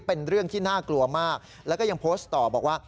เป็นเรื่องที่น่ากลัวมากแล้วก็ยังโพสต์ต่อบอกว่า